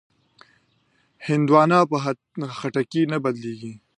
هندوانه په خټکي نه بدلېږي.